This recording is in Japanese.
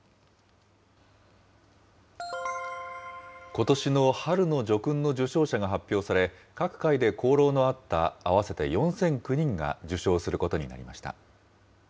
ことしの春の叙勲の受章者が発表され、各界で功労のあった合わせて４００９人が受章することになりました。